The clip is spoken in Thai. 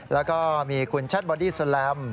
แล้วก็มีคุณแชทบอดี้แลม